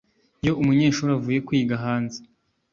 “Iyo umunyeshuri avuye kwiga hanze